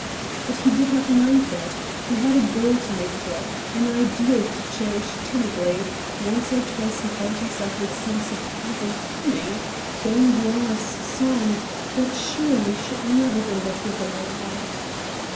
But he did not mind that; he had a goal to make for, an ideal to cherish timidly; once or twice he found himself with some surprise humming Gringoire's song, that surely should never go but with a light heart.